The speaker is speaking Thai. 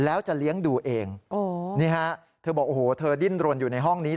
แล้วจะเลี้ยงดูเองนี่ฮะเธอบอกโอ้โหเธอดิ้นรนอยู่ในห้องนี้